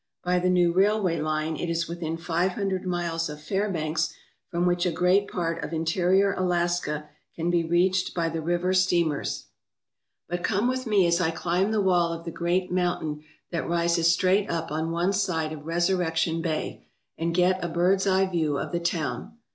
By the new railway line it is within five hundred miles of Fairbanks from which a great part of interior Alaska can be reached by the river steamers. 250 THE CITY OF SEWARD But come with me as I climb the wall of the great moun tain that rises straight up on one side of Resurrection Bay and get a bird's eye view of the town.